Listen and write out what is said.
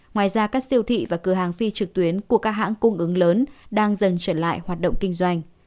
ngoài ra các siêu thị và cửa hàng phi trực tuyến của các hãng cung ứng lớn đang dần trở lại hoạt động kinh doanh